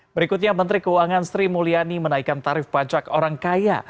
berikutnya menteri keuangan sri mulyani menaikkan tarif pajak orang kaya